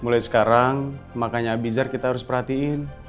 mulai sekarang makanya abizar kita harus perhatiin